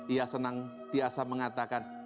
ia senang tiasa mengatakan